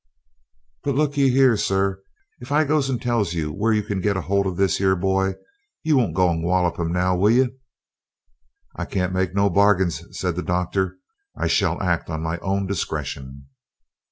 But, look ye here, sir if I goes and tells you where you can get hold of this here boy, you won't go and wallop him now, will ye?" "I can make no bargains," said the Doctor; "I shall act on my own discretion."